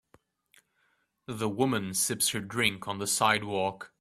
The woman sips her drink on the sidewalk.